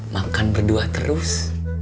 makan berdua terus